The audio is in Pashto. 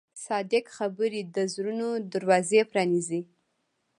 صادق خبرې د زړونو دروازې پرانیزي.